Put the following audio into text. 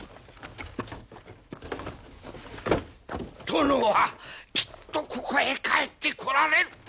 殿はきっとここへ帰ってこられる！